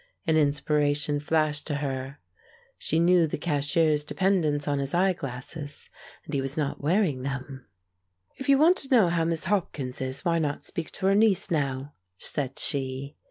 An inspiration flashed to her; she knew the cashier's dependence on his eye glasses, and he was not wearing them. "If you want to know how Miss Hopkins is, why not speak to her niece now?" said she.